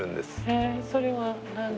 へえそれは何で？